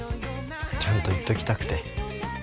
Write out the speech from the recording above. ちゃんと言っときたくて。